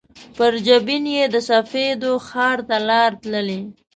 پر جبین یې د سپېدو ښار ته لار تللي